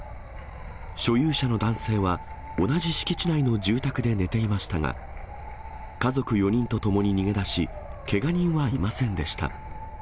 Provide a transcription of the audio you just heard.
所有者の男性は、同じ敷地内の住宅で寝ていましたが、家族４人と共に逃げ出し、けが人はいませんでした。